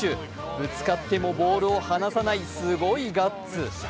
ぶつかってもボールを離さないすごいガッツ。